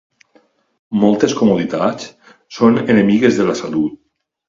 Moltes comoditats són enemigues de la salut.